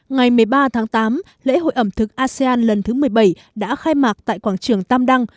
ngày một mươi ba tháng tám lễ hội ẩm thực asean lần thứ một mươi bảy đã khai mạc tại quảng trường tam đăng